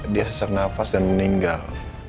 dia sesak nafas dan meninggal